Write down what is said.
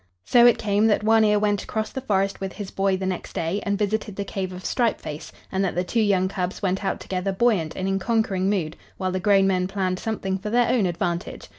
So it came that One Ear went across the forest with his boy the next day and visited the cave of Stripe Face, and that the two young cubs went out together buoyant and in conquering mood, while the grown men planned something for their own advantage.